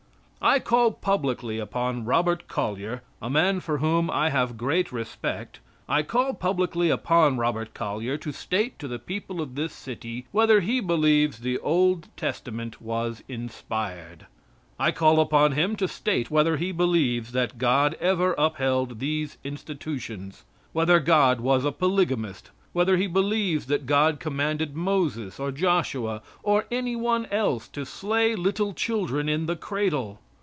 I call publicly upon Robert Collyer a man for whom I have great respect I call publicly upon Robert Collyer to state to the people of this city whether he believes the Old Testament was inspired. I call upon him to state whether he believes that God ever upheld these institutions; whether God was a polygamist; whether he believes that God commanded Moses or Joshua or any one else to slay little children in the cradle.